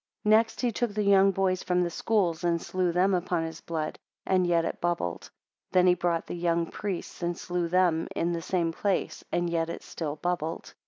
Next he took the young boys from the schools, and slew them upon his blood; and yet it bubbled. Then he brought the young priests and slew them in the same place, and yet it still bubbled.